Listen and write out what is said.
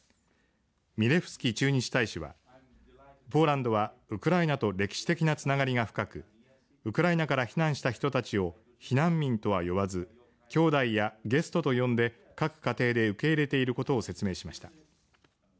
ミレフスキ駐日大使はポーランドはウクライナと歴史的なつながりが深くウクライナから避難した人たちを避難民とは呼ばず兄弟やゲストと呼んで各家庭で受け入れていることを説明しました。